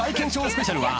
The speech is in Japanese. スペシャルは］